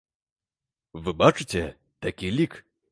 Вы бачыце, такі лік.